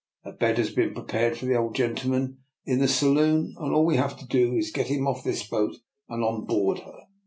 A bed has been prepared for the old gentleman in the saloon, and all we have to do is to get him off this boat and on board her.